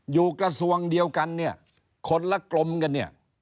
อยู่กระทรวงเดียวกันเนี่ยคนละกรมกันเนี่ย